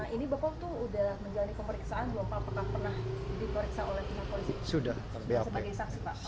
ini bapak waktu itu sudah menjalani pemeriksaan belum pak apakah pernah diperiksa oleh pihak polisi